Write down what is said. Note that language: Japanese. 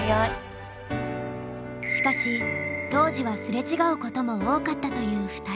しかし当時はすれ違うことも多かったという２人。